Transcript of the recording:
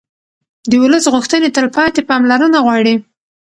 د ولس غوښتنې تلپاتې پاملرنه غواړي